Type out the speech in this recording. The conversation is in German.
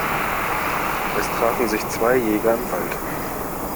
Es trafen sich zwei Jäger im Wald.